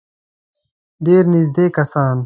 ډېر نېږدې کسان.